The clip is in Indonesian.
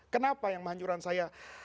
kenapa yang menghancurkan saya